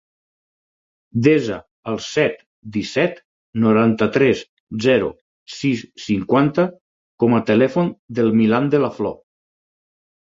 Desa el set, disset, noranta-tres, zero, sis, cinquanta com a telèfon del Milan De La Flor.